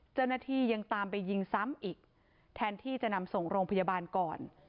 เจ้าหน้าที่ยังตามไปยิงซ้ำอีกแทนที่จะนำส่งโรงพยาบาลก่อน